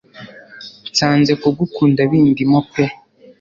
Nsanze kugukunda bindimo pe